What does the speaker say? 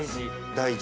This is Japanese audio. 大事。